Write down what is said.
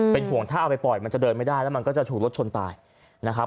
เป็นห่วงถ้าเอาไปปล่อยมันจะเดินไม่ได้แล้วมันก็จะถูกรถชนตายนะครับ